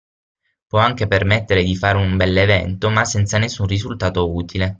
Può anche permettere di fare un bell'evento ma senza nessun risultato utile.